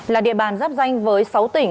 là địa bàn giáp danh với sáu tỉnh